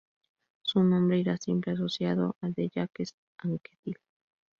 Su nombre irá siempre asociado al de Jacques Anquetil.